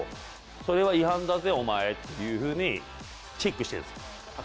それは違反だぜお前というふうにチェックしてるの。